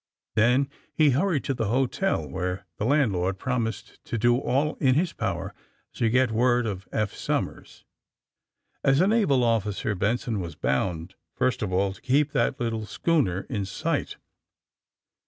Then he hurried to the hotel, where the land lord promised to do all in his power to get word of Eph Somers. As a naval officer Benson was bound, first of all, to keep that little schooner in sight.